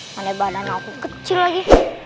pada badan aku kecil lagi